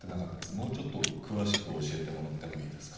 もうちょっと詳しく教えてもらってもいいですか？